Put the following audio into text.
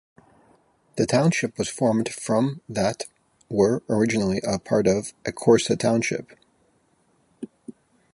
The township was formed from that were originally a part of Ecorse Township.